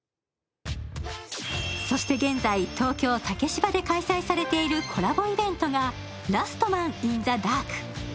そして現在、東京・竹芝で開催されているコラボイベントが、ラストマン・イン・ザ・ダーク。